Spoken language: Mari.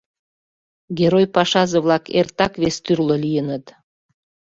Герой-пашазе-влак эртак вестӱрлӧ лийыныт.